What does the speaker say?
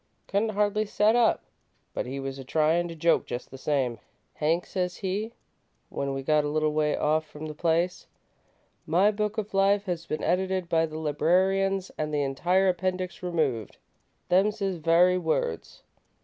Couldn't hardly set up, but he was a tryin' to joke just the same. 'Hank,' says he, when we got a little way off from the place, 'my book of life has been edited by the librarians an' the entire appendix removed.' Them's his very words.